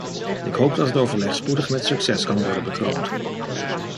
Ik hoop dat het overleg spoedig met succes kan worden bekroond.